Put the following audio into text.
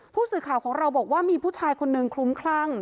ผู้สื่อข่าวของเราบอกว่ามีผู้ชายคนนึงคลุ้มคลั่ง